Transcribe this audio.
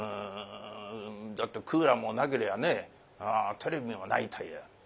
だってクーラーもなけりゃあねテレビもないという。